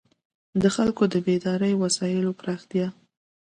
د خلکو د بېدارۍ وسایلو پراختیا.